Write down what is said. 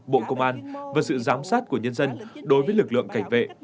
bộ công an và sự giám sát của nhân dân đối với lực lượng cảnh vệ